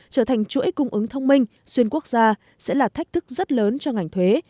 trở thành chuỗi cung ứng thông minh xuyên quốc gia sẽ là thách thức rất lớn cho ngành thuế